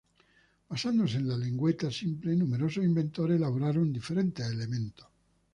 Basándose en la lengüeta simple, numerosos inventores elaboraron diferentes elementos.